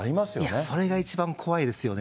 いや、それが一番怖いですよね。